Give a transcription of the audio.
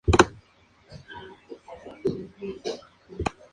Sociedad Matemática de Londres, Premios